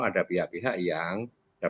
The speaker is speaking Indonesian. ada pihak pihak yang